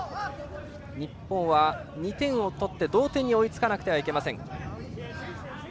日本は２点取って同点に追いつかなければいけません。